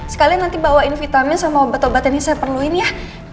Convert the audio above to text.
sekalian nanti bawain vitamin sama obat obat yang saya perluin ya